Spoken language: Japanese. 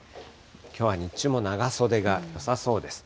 きょうは日中も長袖がよさそうです。